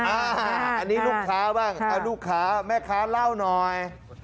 อันนี้ลูกค้าบ้างลูกค้าแม่ค้าเล่าหน่อย